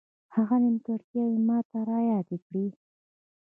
هغه نیمګړتیاوې ماته را یادې کړې.